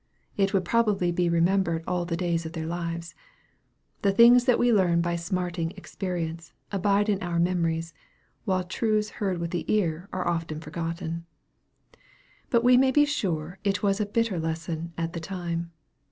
It would probably be remembered all the days of their lives. The things that we learn by smarting experience, abide in our memories, while truths heard with the ear are often forgotten. But we may be sure it was a bitter lesson at the time.